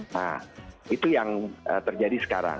nah itu yang terjadi sekarang